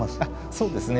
そうですね。